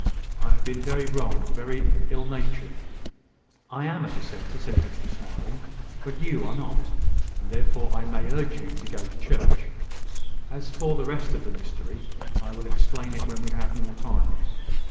I have been very wrong very ill natured." "I am a dissenter," said Hester, smiling, "but you are not; and therefore I may urge you to go to church. As for the rest of the mystery, I will explain it when we have more time.